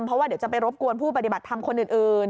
เพราะว่าเดี๋ยวจะไปรบกวนผู้ปฏิบัติธรรมคนอื่น